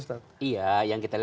saya harus menyebabkan suara ini